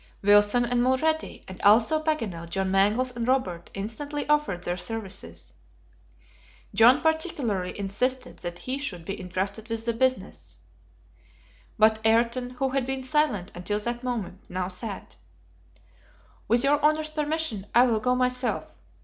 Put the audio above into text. Wilson and Mulrady, and also Paganel, John Mangles and Robert instantly offered their services. John particularly insisted that he should be intrusted with the business; but Ayrton, who had been silent till that moment, now said: "With your Honor's permission I will go myself.